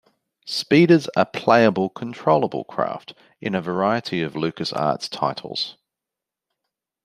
Speeders are playable-controllable craft in a variety of LucasArts titles.